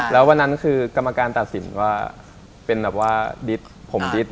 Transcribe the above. แล้ววันนั้นคือกรรมการตัดสินว่าเป็นแบบว่าดิดผมดิด